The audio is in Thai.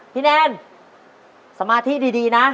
แนนสมาธิดีนะ